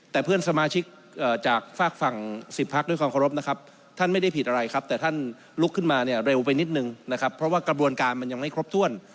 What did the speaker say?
แต่เพื่อนสมาชิกจากฝากฝั่ง๑๐พักด้วยความเคารพนะครับท่านไม่ได้ผิดอะไรครับแต่ท่านลุกขึ้นมาเนี่ยเร็วไปนิดนึงนะครับเพราะว่ากระบวนการมันยังไม่ครบถ้วน